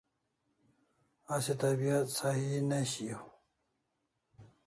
Asi tabiat sahi ne shiau e?